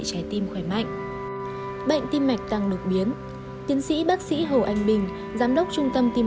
xin chào và hẹn gặp lại